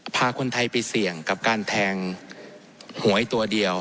พาคนไทยไปเสี่ยงกับการแทงหวยตัวเดียว